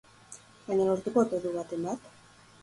Baina lortuko ote du baten bat?